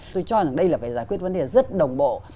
tôi cho rằng đây là phải giải quyết vấn đề rất đồng bộ